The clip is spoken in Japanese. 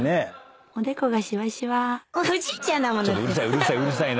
うるさいうるさい。